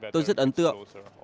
tôi rất ấn tượng